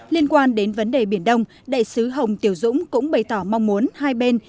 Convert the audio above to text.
liên quan đến vấn đề biển đông đại sứ hồng tiểu dũng cũng bày tỏ mong muốn hai bên